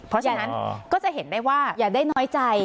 เพราะฉะนั้นก็จะเห็นได้ว่าอย่าได้น้อยใจ